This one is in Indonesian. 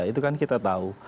itu kan kita tahu